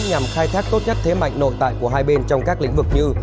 nhằm khai thác tốt nhất thế mạnh nội tại của hai bên trong các lĩnh vực như